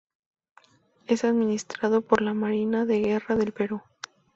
Es administrado por la Marina de Guerra del Perú.